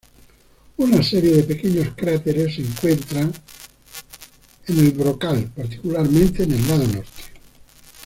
Una serie de pequeños cráteres se encuentran su brocal, particularmente en el lado norte.